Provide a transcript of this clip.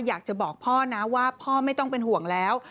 อยากจะบอกพ่อนะว่าพ่อไม่ต้องเป็นห่วงแล้ว